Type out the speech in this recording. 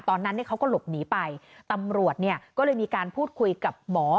ตอนนั้นเนี่ยเขาก็หลบหนีไปตำรวจเนี่ยก็เลยมีการพูดคุยกับหมอ